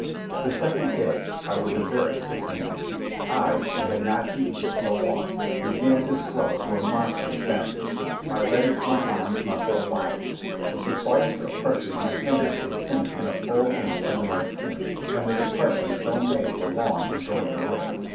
The second day I was a very sick man. I, who had not eaten for so long, began to swell to a monstrous fatness—my legs, my arms, my whole body. With the slightest of pressures my fingers would sink in a full inch into my skin, and the depressions so made were long in going away.